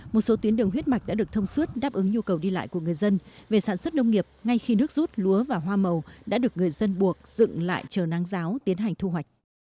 một số tuyến đường huyết mạch đã được thông suốt đáp ứng nhu cầu đi lại của người dân về sản xuất nông nghiệp ngay khi nước rút lúa và hoa màu đã được người dân buộc dựng lại chờ nắng giáo tiến hành thu hoạch